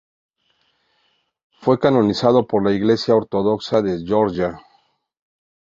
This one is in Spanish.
Fue canonizado por la Iglesia ortodoxa georgiana.